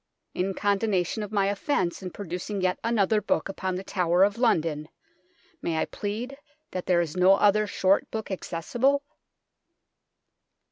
In condonation of my offence in producing yet another book upon the Tower of London, may I plead that there is no other short book accessible